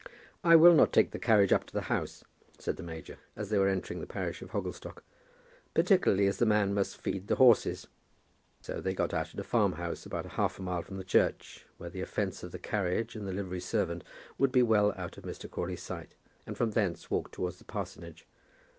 "I will not take the carriage up to the house," said the major, as they were entering the parish of Hogglestock; "particularly as the man must feed the horses." So they got out at a farmhouse about half a mile from the church, where the offence of the carriage and livery servant would be well out of Mr. Crawley's sight, and from thence walked towards the parsonage.